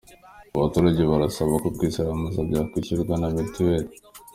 Abaturage barasaba ko kwisiramuza byakwishyurwa na mitiweli